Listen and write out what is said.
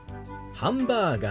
ハンバーガー。